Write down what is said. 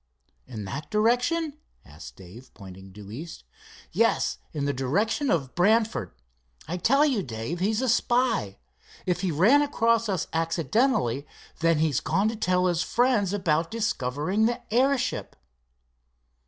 "In that direction?" asked Dave, pointing due east. "Yes, in the direction of Brantford. I tell you, Dave, he's a spy. If he ran across us accidentally then he's gone to tell his friends about discovering the airship."